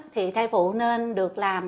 thì thai phụ nên được làm